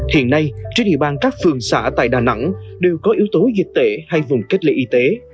hiện nay trên địa bàn các phường xã tại đà nẵng đều có yếu tố dịch tễ hay vùng cách ly y tế